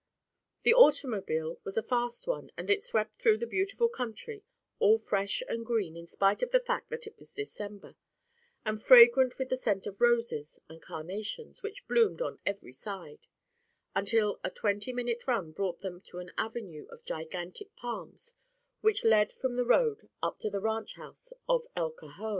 The automobile was a fast one and it swept through the beautiful country, all fresh and green in spite of the fact that it was December, and fragrant with the scent of roses and carnations, which bloomed on every side, until a twenty minute run brought them to an avenue of gigantic palms which led from the road up to the ranch house of El Cajon.